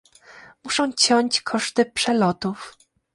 Muszą ciąć koszty przelotów